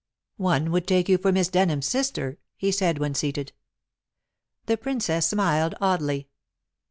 "One would take you for Miss Denham's sister," he said when seated. The Princess smiled oddly.